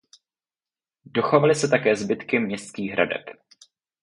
Dochovaly se také zbytky městských hradeb.